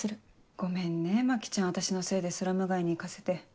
ごめんね牧ちゃん私のせいでスラム街に行かせて。